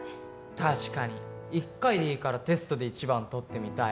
確かに一回でいいからテストで１番取ってみたい